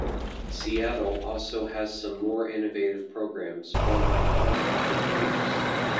Seattle also has some more innovative programs run by nonprofit groups.